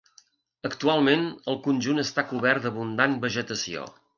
Actualment, el conjunt està cobert d'abundant vegetació.